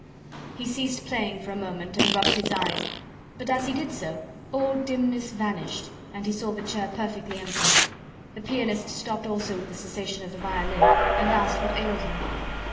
He ceased playing for a moment and rubbed his eyes, but as he did so all dimness vanished and he saw the chair perfectly empty. The pianist stopped also at the cessation of the violin, and asked what ailed him.